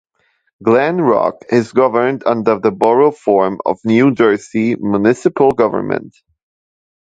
Glen Rock is governed under the Borough form of New Jersey municipal government.